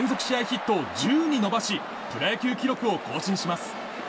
ヒットを１０に伸ばしプロ野球記録を更新します。